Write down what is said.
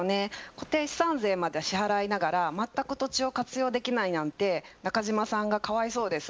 固定資産税まで支払いながら全く土地を活用できないなんて中島さんがかわいそうです。